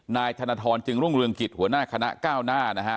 นายธนทรจึงร่วงเรืออนกิจหัวหน้าคณะเก้าม่านะฮะ